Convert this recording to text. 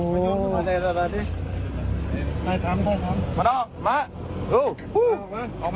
มากหรือน่ะรวดป่ะครับ